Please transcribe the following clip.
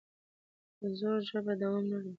د زور ژبه دوام نه لري